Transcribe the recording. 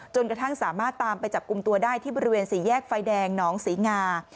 จนกระทั่งสามารถตามไปจับกลุ่มตัวได้ที่บริเวณสี่แยกไฟแดงหนองศรีงา